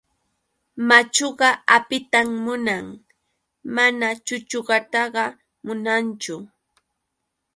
Machuqa apitan munan mana chuchuqataqa munanchu.